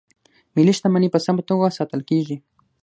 ملي شتمنۍ په سمه توګه ساتل کیږي.